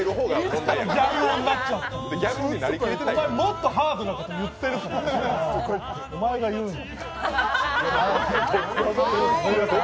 もっとハードなこと言ってるからお前が言うな。